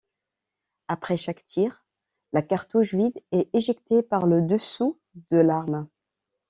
Après chaque tir, la cartouche vide est éjectée par le dessous de l'arme.